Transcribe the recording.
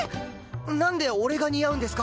なんで俺が似合うんですか？